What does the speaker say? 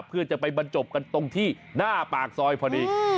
เพื่อจะไปบรรจบกันตรงที่หน้าปากซอยพอดี